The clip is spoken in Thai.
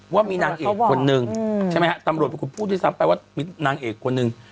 ว่ามีนางเอกคนหนึ่งใช่ไหมฮะตำรวจพูดทีสัมไปว่านางเอกคนหนึ่ง